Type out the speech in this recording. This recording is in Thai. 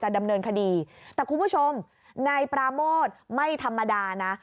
ดำเนินคดีแต่คุณผู้ชมนายปราโมทไม่ธรรมดานะ